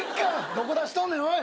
どこ出しとんねんおい！